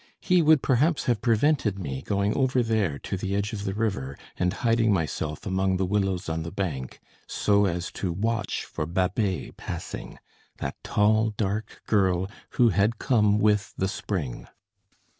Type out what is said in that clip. He would perhaps have prevented me going over there to the edge of the river, and hiding myself among the willows on the bank, so as to watch for Babet passing, that tall dark girl who had come with the spring.